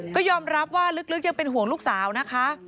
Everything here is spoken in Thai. ก็ยอมรับว่าลึกยังเป็นห่วงลูกสาวนะคะ